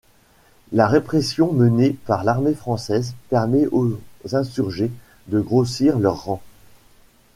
La répression menée par l'armée française permet aux insurgés de grossir leurs rangs.